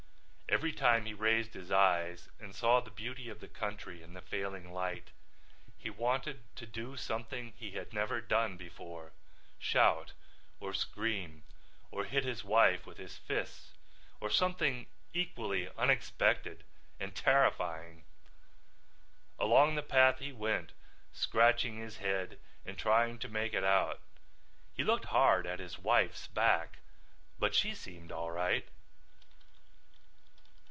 Every time he raised his eyes and saw the beauty of the country in the failing light he wanted to do something he had never done before, shout or scream or hit his wife with his fists or something equally unexpected and terrifying. Along the path he went scratching his head and trying to make it out. He looked hard at his wife's back but she seemed all right.